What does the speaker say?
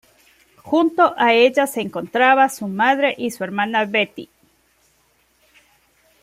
Junto a ella se encontraban su madre y su hermana Betty.